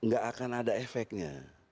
gak akan ada efeknya